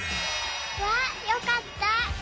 わあよかった。